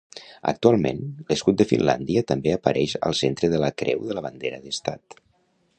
Actualment, l'escut de Finlàndia també apareix al centre de la creu de la bandera d'Estat.